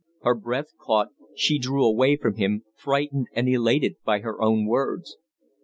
Her breath caught; she drew away from him, frightened and elated by her own words.